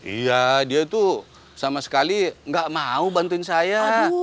iya dia itu sama sekali nggak mau bantuin saya